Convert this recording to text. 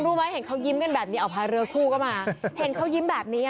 รู้ไหมเห็นเขายิ้มแบบนี้เอาพาเรือพูกเข้ามาเห็นเขายิ้มแบบนี้